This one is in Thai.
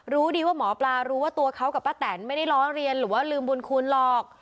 รู้ดีว่าหมอปลารู้ว่าตัวเขากับป้าแตนไม่ได้ล้อเรียนหรือว่าลืมบุญคุณหรอก